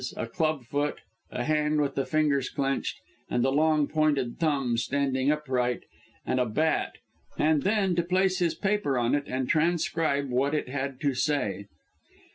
_ a club foot, a hand with the fingers clenched and the long pointed thumb standing upright, and a bat and then to place his paper on it, and transcribe what it had to say.